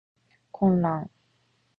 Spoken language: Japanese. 混乱